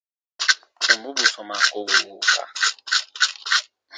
Tɔmbu bù sɔmaa ko wùu wùuka.